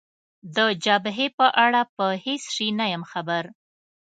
د جبهې په اړه په هېڅ شي نه یم خبر.